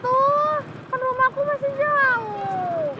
tuh kan rumahku masih jauh